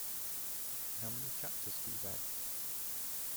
How many chapters have you read?